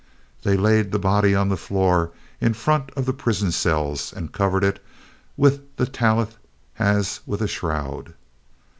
They laid the body on the floor in front of the prison cells and covered it with the tallith as with a shroud.